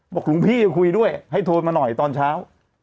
หลวงพี่คุยด้วยให้โทรมาหน่อยตอนเช้า